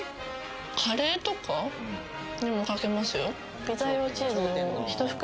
カレーとかにもかけますよ。